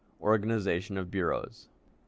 Organization of Bureaus.